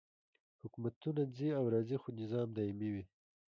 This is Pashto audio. حکومتونه ځي او راځي خو نظام دایمي وي.